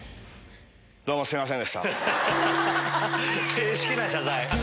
正式な謝罪。